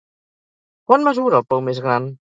Quant mesura el pou més gran?